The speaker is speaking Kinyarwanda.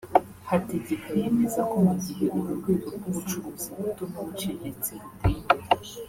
Hategeka yemeza ko mu gihe uru rwego rw’ubucuruzi buto n’ubuciriritse ruteye imbere